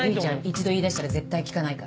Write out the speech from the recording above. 一度言い出したら絶対聞かないから。